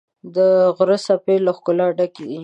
د غره څپې له ښکلا ډکې دي.